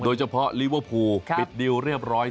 โดยเฉพาะลิเวอร์พูลปิดดิวเรียบร้อย